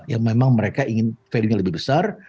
yang memang mereka ingin value nya lebih besar